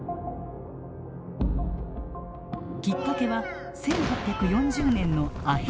きっかけは１８４０年のアヘン戦争。